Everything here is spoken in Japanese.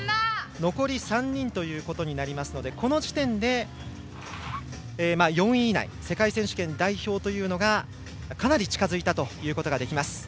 残り３人ということになりますのでこの時点で、深沢は４位以内世界選手権代表というのがかなり近づいたということができます。